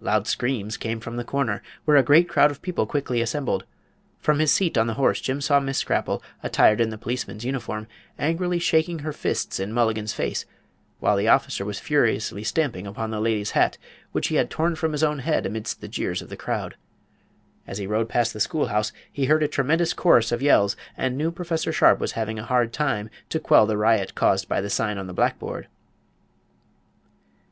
Loud screams came from the corner, where a great crowd of people quickly assembled. From his seat on the horse Jim saw Miss Scrapple, attired in the policeman's uniform, angrily shaking her fists in Mulligan's face, while the officer was furiously stamping upon the lady's hat, which he had torn from his own head amidst the jeers of the crowd. As he rode past the schoolhouse he heard a tremendous chorus of yells, and knew Prof. Sharpe was having a hard time to quell the riot caused by the sign on the blackboard.